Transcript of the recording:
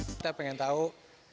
kita ingin tahu sejarahnya